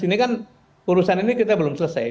ini kan urusan ini kita belum selesai